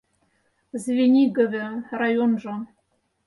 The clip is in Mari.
Звенигеве районжо.